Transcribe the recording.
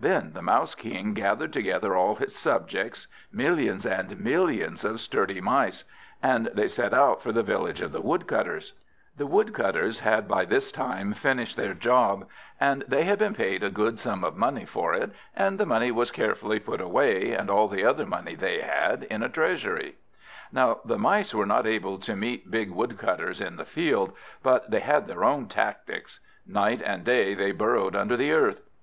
Then the Mouse King gathered together all his subjects, millions and millions of sturdy Mice; and they set out for the village of the Woodcutters. The Woodcutters had by this time finished their job, and they had been paid a good round sum of money for it; and the money was carefully put away, with all the other money they had, in a treasury. Now the Mice were not able to meet big Woodcutters in the field, but they had their own tactics. Night and day they burrowed under the earth.